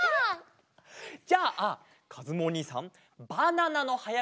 じゃあかずむおにいさんバナナのはやくちことばいえる？